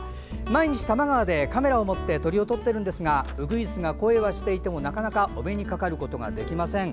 毎日、多摩川でカメラを持って鳥を撮ってるんですがウグイスが、声はしていてもなかなかお目にかかることができません。